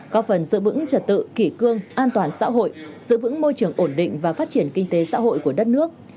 có phần giữ vững trật tự kỷ cương an toàn xã hội giữ vững môi trường ổn định và phát triển kinh tế xã hội của đất nước